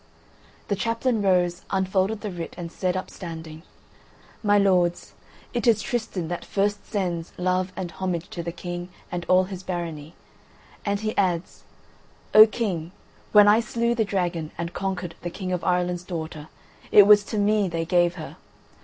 The chaplain rose, unfolded the writ, and said, upstanding "My lords, it is Tristan that first sends love and homage to the King and all his Barony, and he adds, 'O King, when I slew the dragon and conquered the King of Ireland's daughter it was to me they gave her.